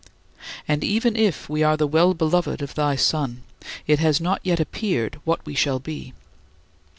And even if we are the well beloved of thy Son, it has not yet appeared what we shall be.